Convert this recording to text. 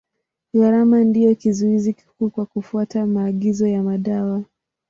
Gharama ndio kizuizi kikuu kwa kufuata maagizo ya madawa.